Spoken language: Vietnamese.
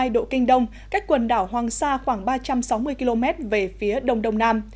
một trăm một mươi năm hai độ kinh đông cách quần đảo hoàng sa khoảng ba trăm sáu mươi km về phía đông đông nam